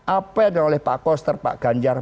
apa yang oleh pak koster pak ganjar